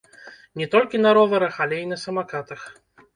Не толькі на роварах, але і на самакатах!